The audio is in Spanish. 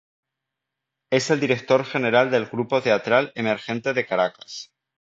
Es el director general del Grupo Teatral Emergente de Caracas.